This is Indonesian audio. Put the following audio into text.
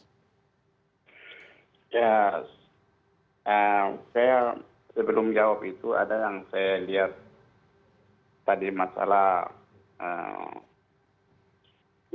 ya saya sebelum jawab itu ada yang saya lihat tadi masalah